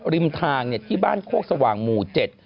ริมทางที่บ้านโคกสว่างหมู่เจ็ด